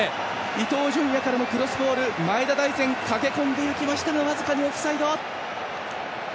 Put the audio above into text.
伊東純也からのクロスボールに前田大然が駆け込んでいたが僅かにオフサイド！